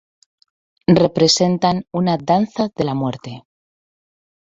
Representan una "Danza de la Muerte".